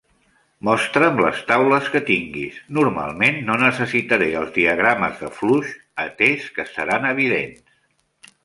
Mostra'm les taules que tinguis. Normalment no necessitaré els diagrames de flux, atès que seran evidents.